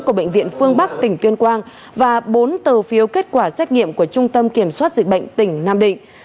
của bệnh viện phương bắc tỉnh tuyên quang và bốn tờ phiếu kết quả xét nghiệm của trung tâm kiểm soát dịch bệnh tỉnh nam định